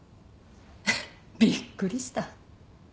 びっくりした。